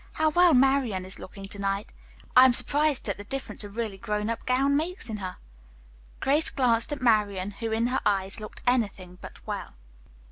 "How well Marian is looking to night. I am surprised at the difference a really grown up gown makes in her." Grace glanced at Marian, who in her eyes looked anything but well.